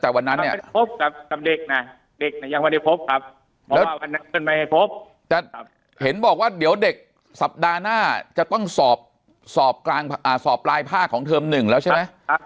แล้วเห็นบอกว่าเด็กสัปดาห์หน้าจะต้องสอบสอบการอ่าสอบปลายภาคของเทิม๑แล้วใช่ไหม